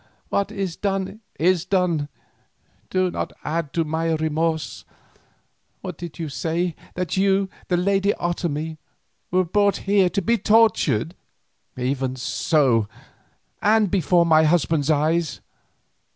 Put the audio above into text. "What is done is done; do not add to my remorse. What did you say, that you, the lady Otomie, were brought here to be tortured?" "Even so, and before my husband's eyes.